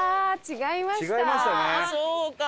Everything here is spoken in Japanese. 違いましたね。